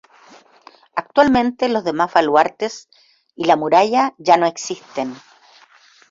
Actualmente los demás baluartes y la muralla ya no existen.